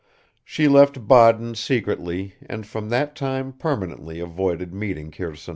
. She left Baden secretly and from that time permanently avoided meeting Kirsanov.